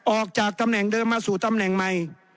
ออกจากตำแหน่งเดิมมาสู่ตำแหน่งใหม่